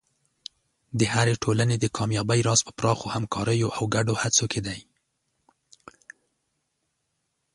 د هرې ټولنې د کامیابۍ راز په پراخو همکاریو او ګډو هڅو کې دی.